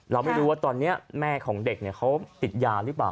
เราไม่รู้ว่าตอนนี้แม่ของเด็กเขาติดยาหรือเปล่า